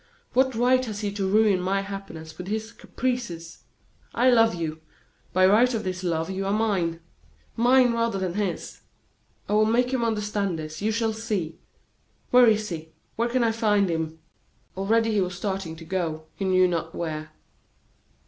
What right has he to ruin my happiness with his caprices? I love you by right of this love, you are mine mine rather than his! I will make him understand this, you shall see. Where is he? Where can I find him?" Already he was starting to go, he knew not where.